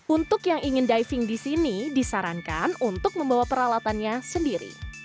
untuk yang ingin diving di sini disarankan untuk membawa peralatannya sendiri